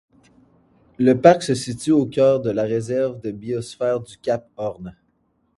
Le parc se situe au cœur de la réserve de biosphère du cap Horn.